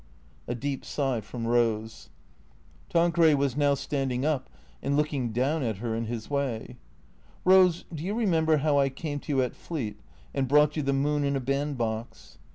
" (A deep sigh from Rose.) Tanqueray was now standing up and looking down at her in his way. " Rose, do you remember how I came to you at Fleet, and brought you the moon in a band box